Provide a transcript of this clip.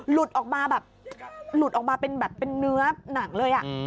หลุดออกมาแบบหลุดออกมาเป็นแบบเป็นเนื้อหนังเลย